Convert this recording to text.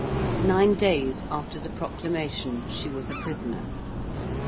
Nine days after the proclamation she was a prisoner.